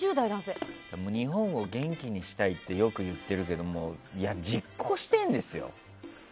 日本を元気にしたいってよく言ってるけど実行してるんですよ。